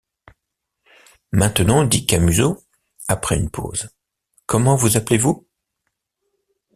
Maintenant, dit Camusot après une pause, comment vous appelez-vous?